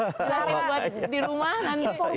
jelasin buat di rumah nanti